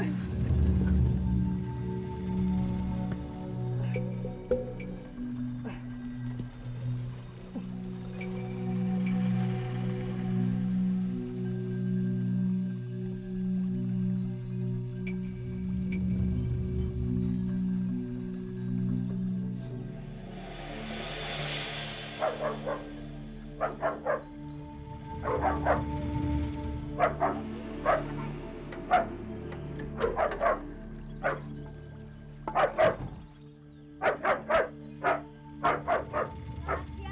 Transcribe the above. jangan sampai pagal